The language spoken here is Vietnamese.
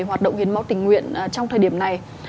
hoạt động hiến máu tình nguyện trong thời điểm này